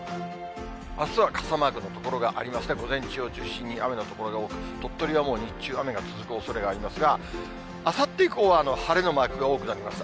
あすは傘マークの所がありまして、午前中を中心に雨の所が多く、鳥取はもう、日中雨が続くおそれがありますが、あさって以降は晴れのマークが多くなります。